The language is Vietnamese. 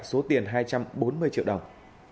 số tiền hai trăm bốn mươi triệu đồng